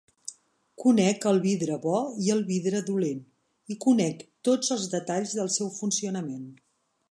Conec el vidre bo i el vidre dolent, i conec tots els detalls del seu funcionament.